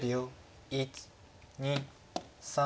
１２３。